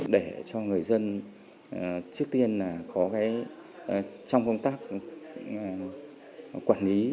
để cho người dân trước tiên có trong công tác quản lý